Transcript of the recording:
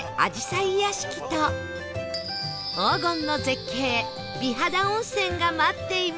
屋敷と黄金の絶景美肌温泉が待っています